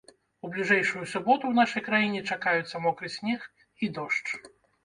У бліжэйшую суботу ў нашай краіне чакаюцца мокры снег і дождж.